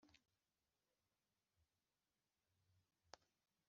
Dore ibuye abubatsi banze